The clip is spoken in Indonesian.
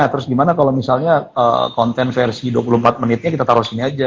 terus gimana kalau misalnya konten versi dua puluh empat menitnya kita taruh sini aja